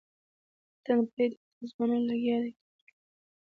وطن پردی ده ځوانان لګیا دې کار کوینه.